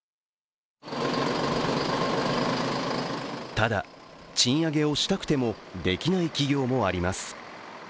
ただ、賃上げをしたくてもできない企業もあります。